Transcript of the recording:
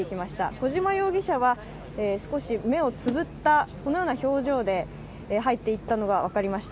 小島容疑者は少し目をつぶった、このような表情で入っていったのが分かりました。